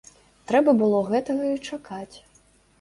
Трэба было гэтага і чакаць.